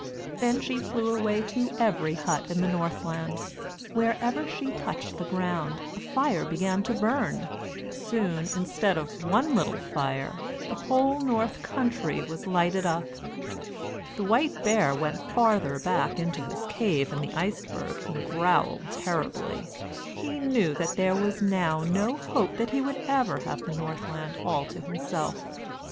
Then she flew away to every hut in the Northland. Wherever she touched the ground, a fire began to burn. Soon, instead of one little fire, the whole North country was lighted up. The white bear went farther back into his cave in the iceberg and growled terribly. He knew that there was now no hope that he would ever have the Northland all to himself.